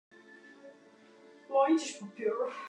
Men soe hjir in krupsje fan skypje.